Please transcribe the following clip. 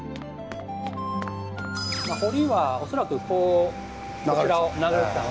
堀は恐らくこうこちらを流れてたので。